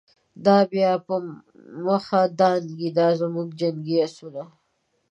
دا به بیا په مخه دانګی، دازموږ جنګی آسونه